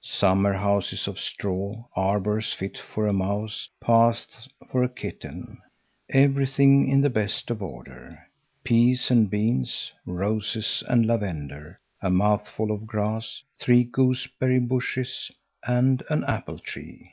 Summer houses of straw, arbors fit for a mouse, paths for a kitten. Everything in the best of order! Peas and beans, roses and lavender, a mouthful of grass, three gooseberry bushes and an apple tree.